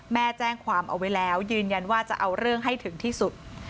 แจ้งความเอาไว้แล้วยืนยันว่าจะเอาเรื่องให้ถึงที่สุด